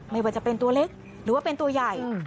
ไม่ว่าจะเป็นตัวเล็กหรือว่าเป็นตัวใหญ่